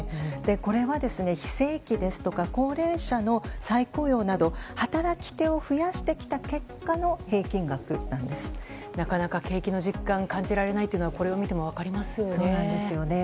これは非正規ですとか高齢者の再雇用など働き手を増やしてきた結果のなかなか景気の実感が感じられないというのはこれを見ても分かりますよね。